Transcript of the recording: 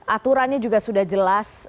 aturannya juga sudah jelas